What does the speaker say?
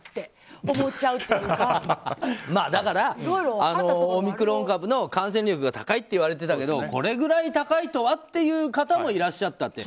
ってだから、オミクロン株の感染力が高いといわれてたけどこれぐらい高いとはという方もいらっしゃった。